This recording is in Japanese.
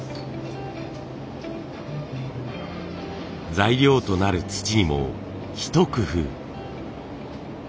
材料となる土にも一工夫。